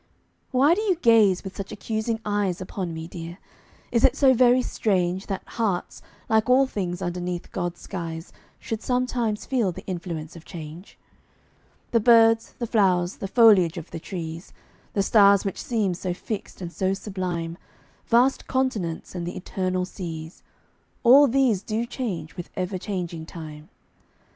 Why do you gaze with such accusing eyes Upon me, dear? Is it so very strange That hearts, like all things underneath God's skies Should sometimes feel the influence of change? The birds, the flowers, the foliage of the trees, The stars which seem so fixed and so sublime, Vast continents and the eternal seas All these do change with ever changing time.